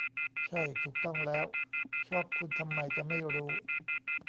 ใช่ ถูกต้องแล้ว ชอบคุณทำไมจะไม่รู้